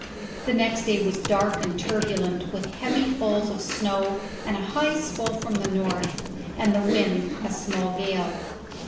The next day was dark and turbulent, with heavy falls of snow and a high swell from the north, and the wind a small gale.